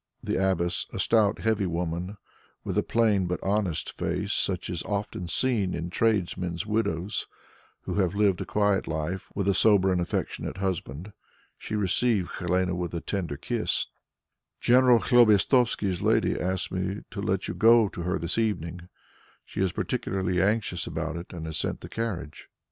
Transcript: The abbess was a stout, heavy woman, with a plain but honest face such as is often seen in tradesmen's widows who have lived a quiet life with a sober and affectionate husband. She received Helene with a tender kiss: "General Khlobestovsky's lady asks me to let you go to her this evening; she is particularly anxious about it and has sent the carriage."